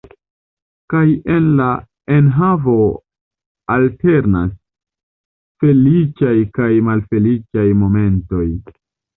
Kaj en la enhavo alternas feliĉaj kaj malfeliĉaj momentoj.